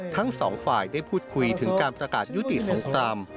การพูดถึงความเป็นไปได้ที่จะยุติสงคราม